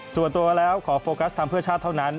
ส่วนตัวแล้วขอโฟกัสทำเพื่อชาติเท่านั้น